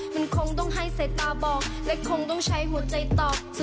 มันคงต้องให้สายตาบอกและคงต้องใช้หัวใจตอบ